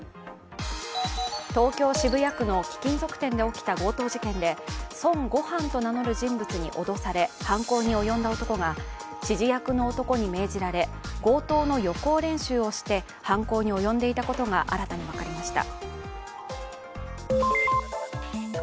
東京・渋谷区の貴金属店で起きた強盗事件で孫悟飯と名乗る人物に脅され犯行に及んだ男が指示役の男に命じられ、強盗の予行練習をして犯行に及んでいたことが新たに分かりました。